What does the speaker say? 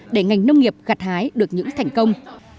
để ngành nông nghiệp gặt hái được những thành công